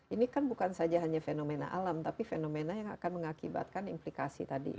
ini kan bukan saja hanya fenomena alam tapi fenomena yang akan mengakibatkan implikasi tadi